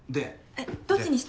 えっどっちにした？